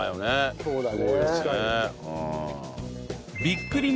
そうだね。